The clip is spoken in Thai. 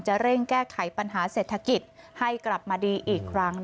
เร่งแก้ไขปัญหาเศรษฐกิจให้กลับมาดีอีกครั้ง